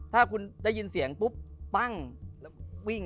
ถ้าคุณได้ยินเสียงปุ๊บปั้งแล้ววิ่ง